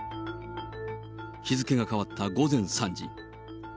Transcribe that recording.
日付が変わった午前３時。